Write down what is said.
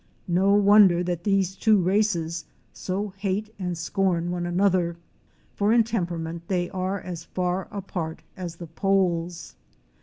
No wonder that these two races so hate and scorn one another, for in temperament they are as far apart as the poles!